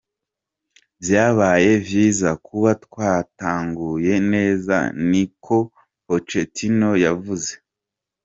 Vyabaye vyiza kuba twatanguye neza," ni ko Pochettino yavuze.